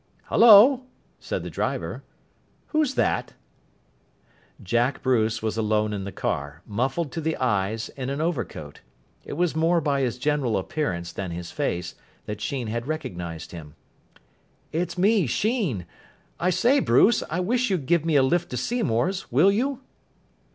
"Hullo," said the driver, "who's that?" Jack Bruce was alone in the car, muffled to the eyes in an overcoat. It was more by his general appearance than his face that Sheen had recognised him. "It's me, Sheen. I say, Bruce, I wish you'd give me a lift to Seymour's, will you?"